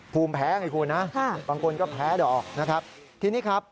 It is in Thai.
ภูมิแพ้ไงคุณนะบางคนก็แพ้ดอกนะครับทีนี้ครับ